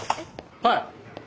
はい。